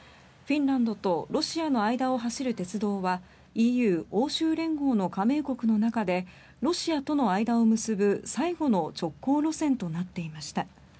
フィンランドとロシアの間を走る鉄道はＥＵ・欧州連合の加盟国の中でロシアとの間を結ぶ最後の直行路線となっていました。